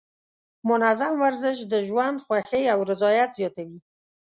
منظم ورزش د ژوند خوښۍ او رضایت زیاتوي.